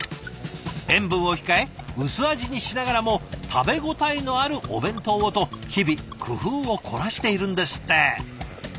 塩分を控え薄味にしながらも食べ応えのあるお弁当をと日々工夫を凝らしているんですって。